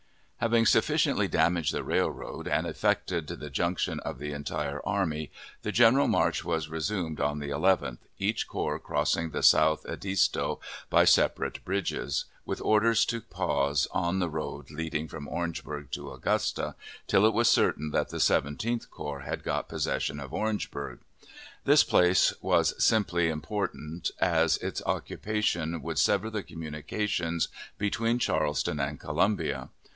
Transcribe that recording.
Having sufficiently damaged the railroad, and effected the junction of the entire army, the general march was resumed on the 11th, each corps crossing the South Edisto by separate bridges, with orders to pause on the road leading from Orangeberg to Augusta, till it was certain that the Seventeenth Corps had got possession of Orangeburg. This place was simply important as its occupation would sever the communications between Charleston and Columbia.